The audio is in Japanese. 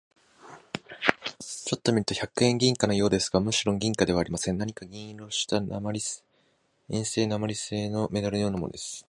ちょっと見ると百円銀貨のようですが、むろん銀貨ではありません。何か銀色をした鉛製なまりせいのメダルのようなものです。